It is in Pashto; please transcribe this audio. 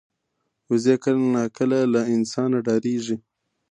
وزې کله ناکله له انسانه ډاریږي